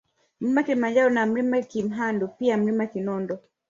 Mlima Kilimanjaro na Mlima Kimhandu pia Mlima Kinondo